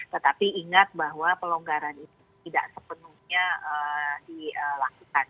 tetapi ingat bahwa pelonggaran itu tidak sepenuhnya dilakukan